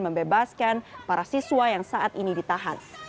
membebaskan para siswa yang saat ini ditahan